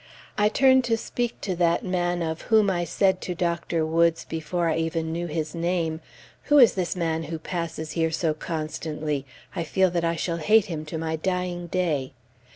I turn to speak to that man of whom I said to Dr. Woods, before I even knew his name, "Who is this man who passes here so constantly? I feel that I shall hate him to my dying day."